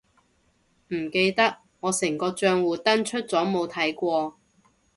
唔記得，我成個帳戶登出咗冇睇過